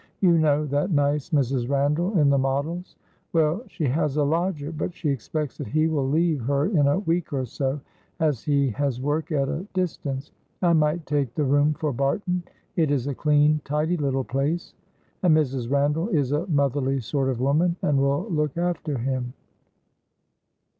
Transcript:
"You know that nice Mrs. Randall in the Models; well, she has a lodger, but she expects that he will leave her in a week or so, as he has work at a distance. I might take the room for Barton, it is a clean, tidy little place. And Mrs. Randall is a motherly sort of woman, and will look after him."